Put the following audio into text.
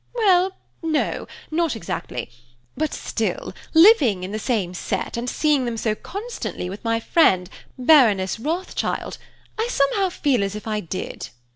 "Well, no, not exactly; but still, living in the same set, and seeing them so constantly with my friend, Baroness Rothschild, I somehow feel as if I did."